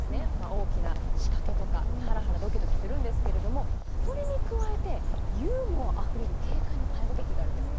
大きな仕掛けとかハラハラドキドキするんですけれども、それに加えてユーモアあふれる軽快な会話劇があるんです。